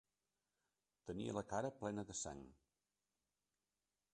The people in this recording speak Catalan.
Tenia la cara plena de sang.